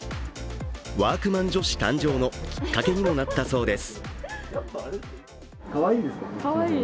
ワークマン女子誕生のきっかけにもなったそうです。